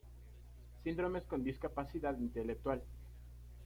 Síndromes con discapacidad intelectual.